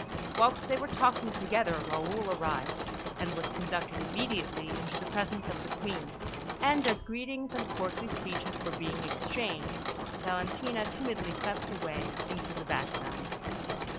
Whilst they were talking together, Raoul arrived, and was conducted immediately into the presence of the Queen; and as greetings and courtly speeches were being exchanged, Valentina timidly crept away into the background.